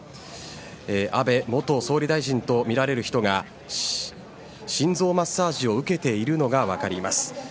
安倍元総理大臣とみられる人が心臓マッサージを受けているのが分かります。